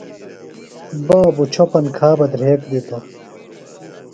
بابُوۡ چھوۡپن کھا بہ دھریک دِتوۡ